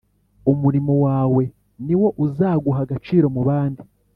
umurimo wawe niwo uzaguha agaciro mubandi